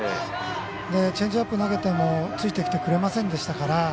チェンジアップ投げてもついてきてくれませんでしたから。